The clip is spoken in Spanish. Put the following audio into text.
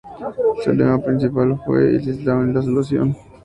Su lema principal fue: "El Islam es la solución".